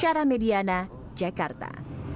syarah mediana jakarta